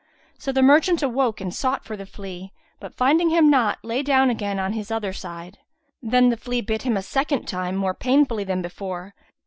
So the merchant awoke and sought for the flea, but finding him not, lay down again on his other side. Then the flea bit him a second time more painfully than before.